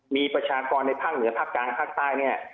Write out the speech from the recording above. มีประชากรในภาคเหนือภาคกลางภาคใต้เนี่ย